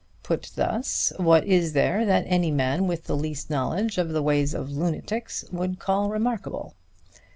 Put thus, what is there that any man with the least knowledge of the ways of lunatics would call remarkable?